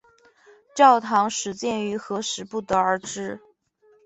教堂始建于何时不得而知。